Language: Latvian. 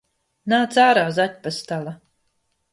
Nāc ārā, zaķpastala!